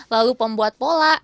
lalu pembuat pola